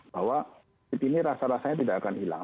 bahwa covid ini rasa rasanya tidak akan hilang